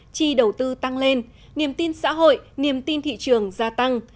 chi đầu tư tăng lên niềm tin xã hội niềm tin thị trường gia tăng